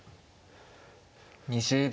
２０秒。